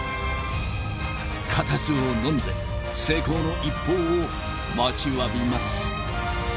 固唾をのんで成功の一報を待ちわびます。